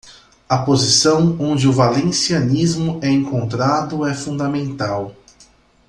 A posição onde o valencianismo é encontrado é fundamental.